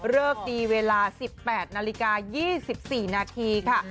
เลิกดีเวลา๑๘นาฬิกา๒๔นาทีค่ะ